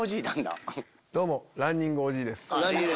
どうもランニングおじいです。